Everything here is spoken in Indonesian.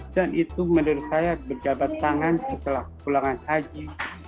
dan itu menurut saya berjabat tangan setelah pulangan haji